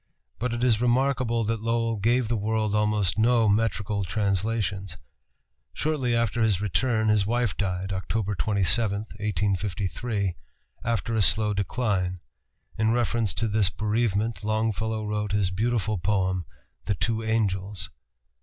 But it is remarkable that Lowell gave the world almost no metrical translations. Shortly after his return his wife died (Oct. 27, 1853) after a slow decline. In reference to this bereavement Longfellow wrote his beautiful poem, "The Two Angels."